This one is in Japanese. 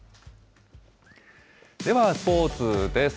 ではスポーツです。